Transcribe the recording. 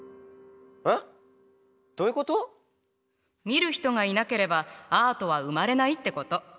見る人がいなければアートは生まれないってこと。